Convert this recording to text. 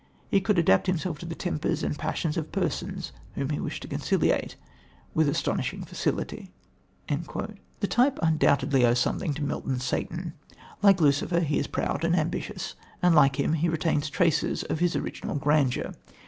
he could adapt himself to the tempers and passions of persons, whom he wished to conciliate, with astonishing facility." The type undoubtedly owes something to Milton's Satan. Like Lucifer, he is proud and ambitious, and like him he retains traces of his original grandeur.